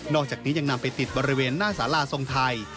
อกจากนี้ยังนำไปติดบริเวณหน้าสาราทรงไทย